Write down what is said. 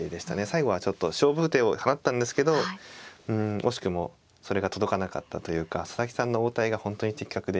最後はちょっと勝負手を放ったんですけど惜しくもそれが届かなかったというか佐々木さんの応対が本当に的確で見事な将棋でした。